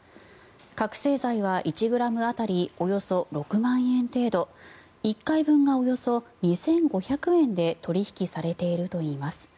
覚醒剤は１ｇ当たりおよそ６万円程度１回分がおよそ２５００円で取引されているといいます。